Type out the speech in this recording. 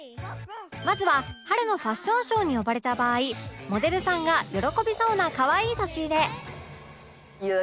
まずは春のファッションショーに呼ばれた場合モデルさんが喜びそうな可愛い差し入れ